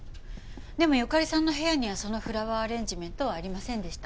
でも由香利さんの部屋にはそのフラワーアレンジメントはありませんでした。